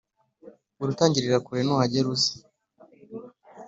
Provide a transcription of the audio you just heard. urutangirira kure nuhagera uze